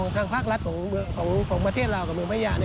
ทางภาครัฐของประเทศลาวกับเมืองพญา